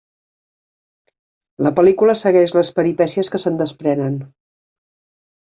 La pel·lícula segueix les peripècies que se'n desprenen.